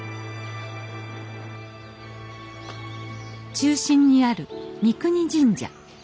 中心にある三國神社。